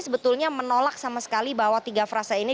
sebetulnya menolak sama sekali bahwa tiga frasa ini